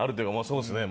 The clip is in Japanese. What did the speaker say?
そうですね